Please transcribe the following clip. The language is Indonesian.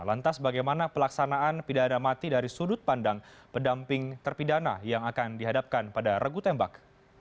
lantas bagaimana pelaksanaan pidana mati dari sudut pandang pendamping terpidana yang akan dihadapkan pada regu tembak